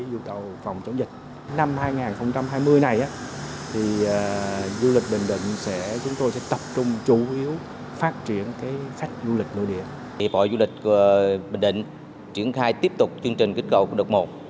hiệp hội du lịch bình định triển khai tiếp tục chương trình kích cầu của đợt một